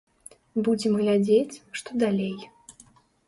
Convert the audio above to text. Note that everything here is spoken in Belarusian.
Будзем глядзець, што далей.